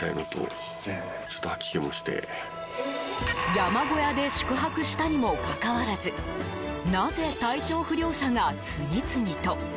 山小屋で宿泊したにもかかわらずなぜ体調不良者が次々と。